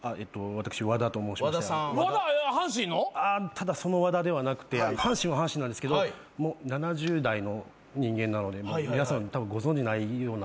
ただその和田ではなくて阪神は阪神なんですけど７０代の人間なので皆さんご存じないような。